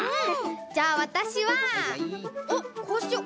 じゃあわたしはこうしよう。